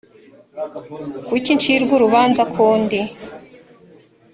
kuki ncirwa urubanza ko ndi